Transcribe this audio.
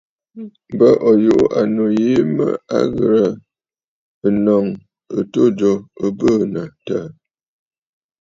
M̀bə ò yuʼù ànnù yìi mə à ghɨ̀rə ǹnǒŋ ɨtû jo ɨ bɨɨnə̀ ǹtəə.